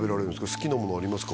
好きなものありますか？